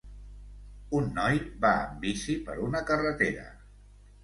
Un noi va en bici per una carretera.